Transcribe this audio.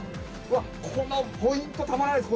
このポイントたまらないです。